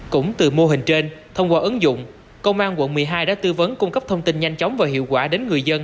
cũng từ mô hình trên thông qua ứng dụng công an quận một mươi hai đã tư vấn cung cấp thông tin nhanh chóng và hiệu quả đến người dân